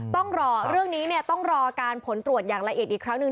ต้องรอเรื่องนี้ต้องรอการผลตรวจอย่างละเอียดอีกครั้งหนึ่ง